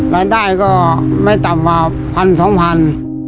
รายได้ก็ไม่ต่ำกว่าพันสองพัน